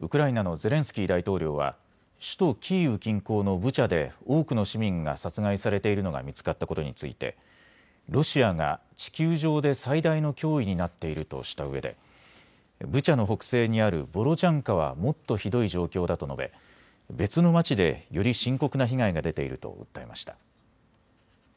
ウクライナのゼレンスキー大統領は首都キーウ近郊のブチャで多くの市民が殺害されているのが見つかったことについてロシアが地球上で最大の脅威になっているとしたうえでブチャの北西にあるボロジャンカはもっとひどい状況だと述べ別の町でより深刻な被害が出ていると訴えました。